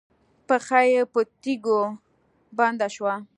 پښه یې په تيږو بنده شوه.